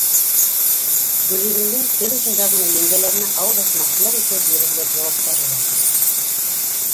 Гөлйөҙөмдөң тел осонда ғына еңгәләренә ауыҙ асмаҫлыҡ итеп бирерлек яуаптары бар.